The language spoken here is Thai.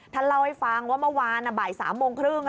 เล่าให้ฟังว่าเมื่อวานบ่าย๓โมงครึ่ง